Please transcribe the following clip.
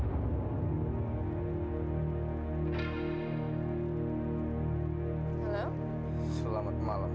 pernah hasil lo kalah